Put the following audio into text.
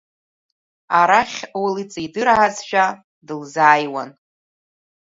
Арахь уи лыҵидыраазшәа дылзааиуан.